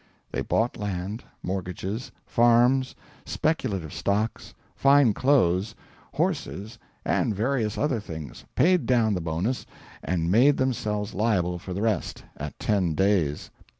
They bought land, mortgages, farms, speculative stocks, fine clothes, horses, and various other things, paid down the bonus, and made themselves liable for the rest at ten days.